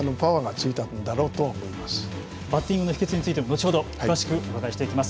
バッティングの秘訣についても後ほど詳しくお伺いしていきます。